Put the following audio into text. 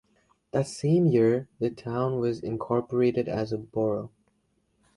That same year, the town was incorporated as a borough.